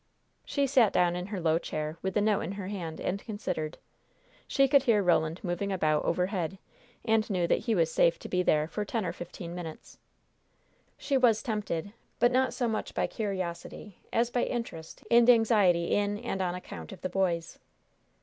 She sat down in her low chair, with the note in her hand, and considered. She could hear Roland moving about overhead, and knew that he was safe to be there for ten or fifteen minutes. She was tempted, but not so much by curiosity as by interest and anxiety in and on account of the boys.